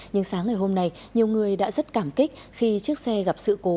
nhưng sáng ngày hôm nay nhiều người đã rất cảm kích khi chiếc xe gặp sự cố